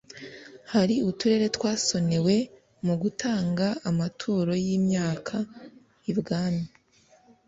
hari uturere twasonewe mu gutanga amaturo y imyaka ibwami